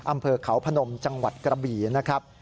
อำเภอเขาพนมจังหวัดกระบี่นะครับ